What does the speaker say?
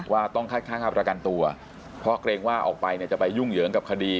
ว่าต้องคัดค้างค่าประกันตัวเพราะเกรงว่าออกไปเนี่ยจะไปยุ่งเหยิงกับคดี